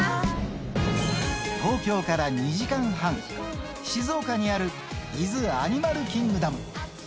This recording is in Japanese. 東京から２時間半、静岡にある伊豆アニマルキングダム。